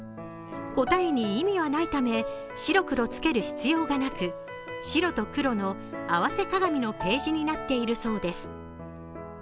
答えに意味はないため白黒つける必要がなく白と黒の合わせ鏡のページになっているそうです。